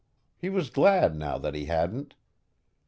He was glad now that he hadn't.